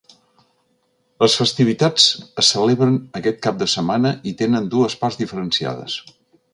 Les festivitats es celebren aquest cap de setmana i tenen dues parts diferenciades.